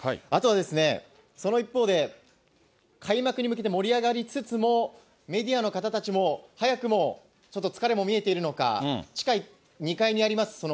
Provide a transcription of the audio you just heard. あとはですね、その一方で、開幕に向けて盛り上がりつつも、メディアの方たちも、早くもちょっと疲れも見えているのか、地下２階にあります